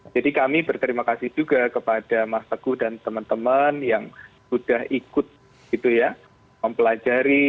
jadi kami berterima kasih juga kepada mas teguh dan teman teman yang sudah ikut gitu ya mempelajari